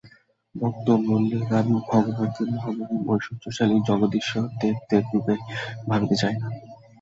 ভক্ত বলেন, আমি ভগবানকে মহামহিম, ঐশ্বর্যশালী, জগদীশ্বর দেবদেবরূপে ভাবিতে চাই না।